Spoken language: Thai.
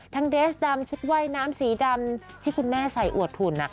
เดสดำชุดว่ายน้ำสีดำที่คุณแม่ใส่อวดหุ่น